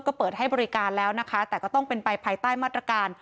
ก็เปิดให้บริการแล้วนะคะแต่ก็ต้องเป็นไปภายใต้มาตรการ